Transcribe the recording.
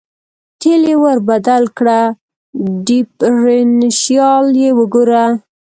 تېل یې ور بدل کړه، ډېفرېنشیال یې وګوره.